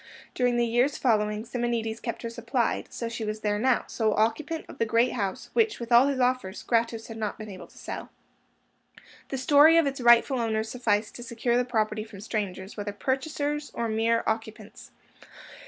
During the years following, Simonides kept her supplied; so she was there now, sole occupant of the great house, which, with all his offers, Gratus had not been able to sell. The story of its rightful owners sufficed to secure the property from strangers, whether purchasers or mere occupants.